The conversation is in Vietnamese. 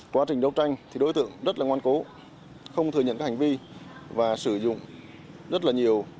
quá trình đấu tranh thì đối tượng rất là ngoan cố không thừa nhận các hành vi và sử dụng rất là nhiều